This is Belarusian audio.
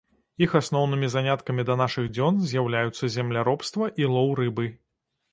Іх асноўнымі заняткамі да нашых дзён з'яўляюцца земляробства і лоў рыбы.